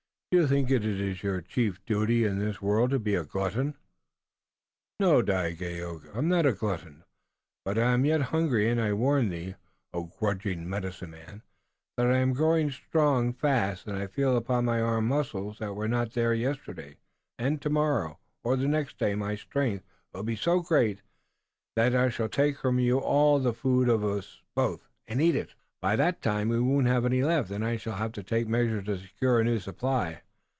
Do you think it your chief duty in this world to be a glutton?" "No, Dagaeoga," replied Tayoga, "I am not a glutton, but I am yet hungry, and I warn thee, O grudging medicine man, that I am growing strong fast. I feel upon my arm muscles that were not there yesterday and tomorrow or the next day my strength will be so great that I shall take from you all the food of us both and eat it." "By that time we won't have any left, and I shall have to take measures to secure a new supply.